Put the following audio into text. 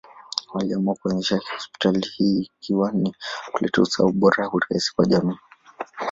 Aliamua kuanzisha hospitali hii ikiwa ni kuleta usawa, ubora, urahisi kwa jamii.